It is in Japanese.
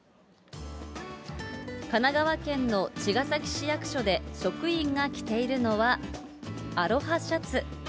神奈川県の茅ヶ崎市役所で職員が着ているのは、アロハシャツ。